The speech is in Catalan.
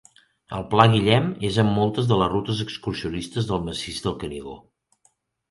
El Pla Guillem és en moltes de les rutes excursionistes del Massís del Canigó.